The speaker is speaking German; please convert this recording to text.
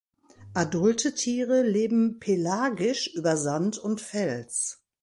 Adulte Tiere leben pelagisch über Sand und Fels.